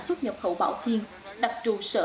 xuất nhập khẩu bảo thiên đặc trụ sở